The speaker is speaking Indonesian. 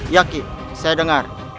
yaki saya dengar